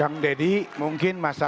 bapak juga menutup pabrik